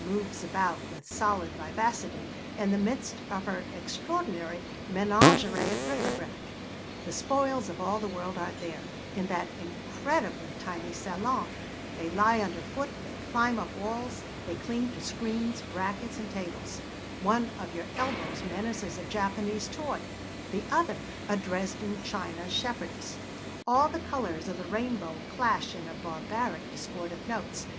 moves about with solid vivacity in the midst of her extraordinary menagerie of bric à brac. The spoils of all the world are there, in that incredibly tiny salon; they lie underfoot, they climb up walls, they cling to screens, brackets, and tables; one of your elbows menaces a Japanese toy, the other a Dresden china shepherdess; all the colours of the rainbow clash in a barbaric discord of notes.